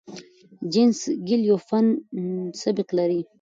جیسن ګیل یو فن سبک لري.